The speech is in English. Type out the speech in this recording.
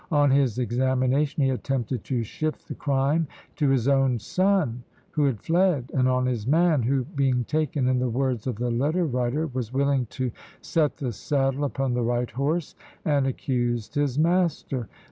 On his examination he attempted to shift the crime to his own son, who had fled; and on his man, who, being taken, in the words of the letter writer, was "willing to set the saddle upon the right horse, and accused his master."